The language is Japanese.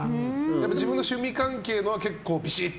自分の趣味関係は結構ビシッと？